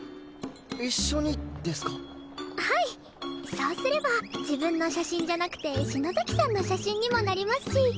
そうすれば自分の写真じゃなくて篠崎さんの写真にもなりますし。